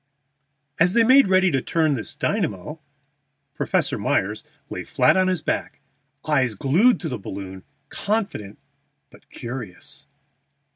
As they made ready to turn this dynamo, Professor Myers lay flat on his back, eyes glued to the balloon, confident but curious.